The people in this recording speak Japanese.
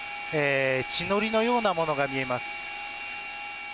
血のりのようなものが見えます。